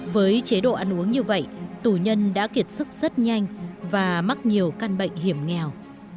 với chế độ ăn uống như vậy tù nhân đã kiệt sức rất nhanh và mắc nhiều căn bệnh hiểm nghèo